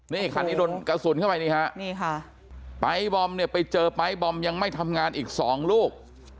นี่คันนี้โดนกระสุนเข้าไปนี่ค่ะไปร์ไบล์บอมเนี่ยไปเจอไปร์ไบล์บอมยังไม่ทำงานอีก๒ลูก